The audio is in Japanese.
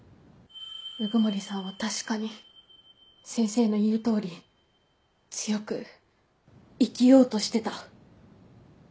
鵜久森さんは確かに先生の言う通り強く生きようとしてた。